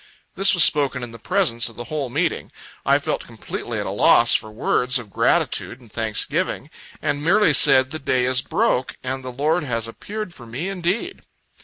This was spoken in the presence of the whole meeting. I felt completely at a loss for words of gratitude and thanksgiving; and merely said, the day is broke, and the Lord has appeared for me indeed!